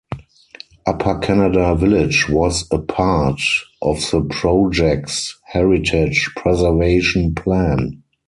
Upper Canada Village was a part of the project's heritage preservation plan.